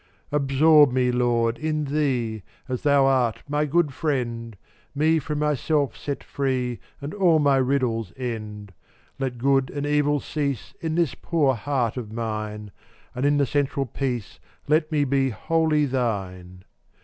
422 Absorb me, Lord, in Thee, As Thou art my good friend; Me from myself set free And all my riddles end. Let good and evil cease In this poor heart of mine, And in the Central Peace Let me be wholly Thine.